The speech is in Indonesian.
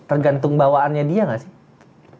tergantung bawaannya dia nggak sih